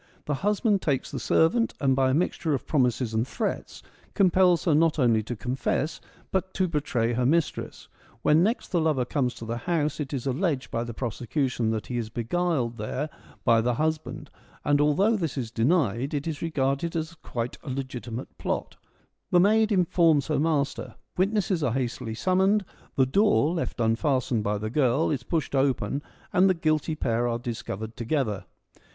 The husband takes the servant, and by a mixture of promises and threats compels her not only to confess, but to betray her mistress. When next the lover comes to the house — it is alleged by the prosecution that he is beguiled there by the husband, and although this is denied, it is regarded as a quite legitimate plot — the maid informs her master ; witnesses are hastily summoned ; the door, left unfastened by the girl, is pushed open and the guilty pair are discovered together.